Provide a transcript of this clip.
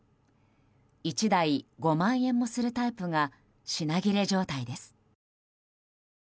１台５万円もするタイプが品切れ状態です。